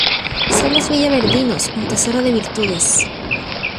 Son los villaverdinos un tesoro de virtudes.